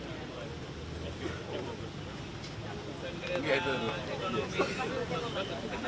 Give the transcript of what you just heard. di tempat yang asli di jemaah